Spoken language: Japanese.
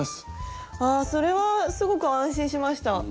あそれはすごく安心しました。